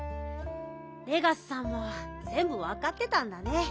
レガスさんはぜんぶわかってたんだね。